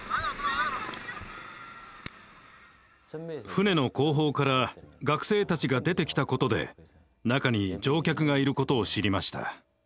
船の後方から学生たちが出てきたことで中に乗客がいることを知りました。